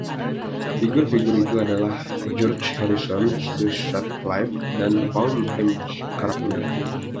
Figur-figur itu adalah George Harrison, Stu Sutcliffe dan Paul McCartney.